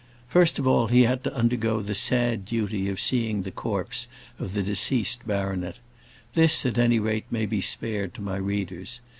First of all, he had to undergo the sad duty of seeing the corpse of the deceased baronet. This, at any rate, may be spared to my readers.